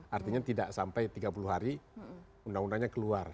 artinya tidak sampai tiga puluh hari undang undangnya keluar